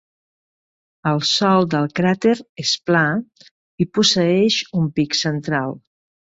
El sòl del cràter és pla i posseeix un pic central.